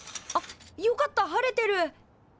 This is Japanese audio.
あっよかった晴れてる！